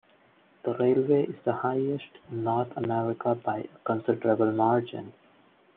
The railway is the highest in North America by a considerable margin.